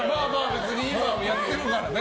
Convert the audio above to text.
別に今もやってるからね。